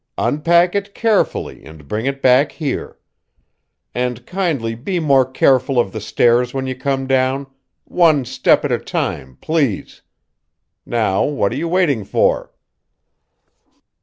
"Unpack it carefully and bring it back here. And kindly be more careful of the stairs when you come down one step at a time, please! Now, what are you waiting for?"